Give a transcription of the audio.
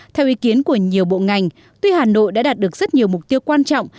theo ý kiến của nhiều bộ ngành tuy hà nội đã đạt được rất nhiều mục tiêu quan trọng